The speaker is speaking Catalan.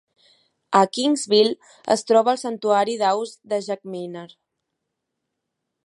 A Kingsville es troba el santuari d'aus de Jack Miner.